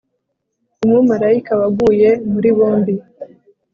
umumarayika waguye muri bombi